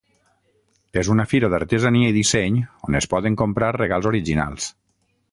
És una fira d’artesania i disseny on es poden comprar regals originals.